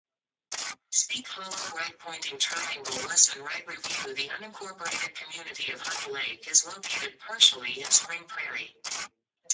The unincorporated community of Honey Lake is located partially in Spring Prairie.